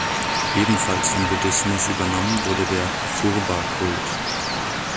Ebenfalls vom Buddhismus übernommen wurde der Phurba-Kult.